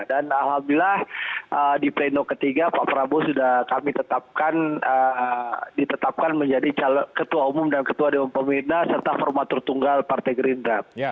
dan alhamdulillah di pleno ke tiga pak prabowo sudah kami tetapkan menjadi ketua umum dan ketua daum pemerintah serta formatur tunggal partai gerindra